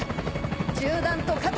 銃弾と肩。